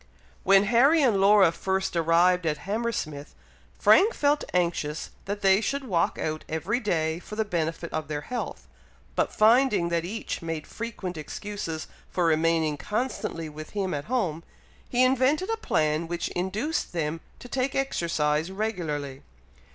When Harry and Laura first arrived at Hammersmith, Frank felt anxious that they should walk out every day for the benefit of their health; but finding that each made frequent excuses for remaining constantly with him at home, he invented a plan which induced them to take exercise regularly.